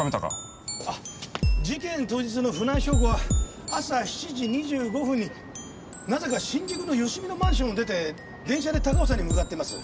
事件当日の船井翔子は朝７時２５分になぜか新宿の芳美のマンションを出て電車で高尾山に向かっています。